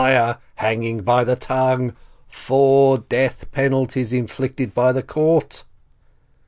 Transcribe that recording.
Fire! Hanging by the tongue! Four death penalties inflicted by the court!"